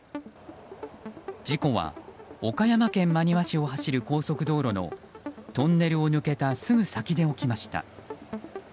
事故は岡山県真庭市を走る高速道路のトンネルを抜けたすぐ先で起きました。